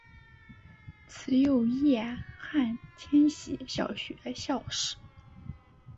慈幼叶汉千禧小学校史